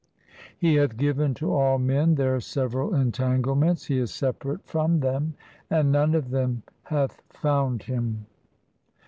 He hath given to all men their several entanglements ; He is separate from them, and none of them hath found Him.